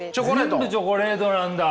全部チョコレートなんだ。